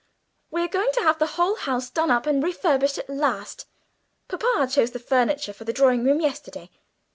"We are going to have the whole house done up and refurnished at last. Papa chose the furniture for the drawing room yesterday.